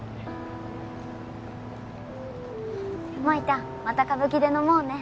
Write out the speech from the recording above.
萌たゃまた歌舞伎で飲もうね！